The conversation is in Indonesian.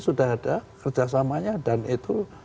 sudah ada kerjasamanya dan itu